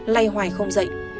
lây hoài không dậy